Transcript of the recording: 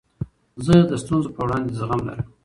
زه د ستونزو په وړاندي زغم لرم.